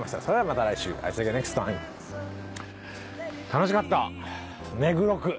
楽しかった目黒区。